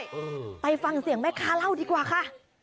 อืมไปฟังเสียงแม่ค้าเล่าดีกว่าค่ะ